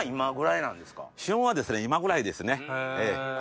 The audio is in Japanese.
旬は今ぐらいですね。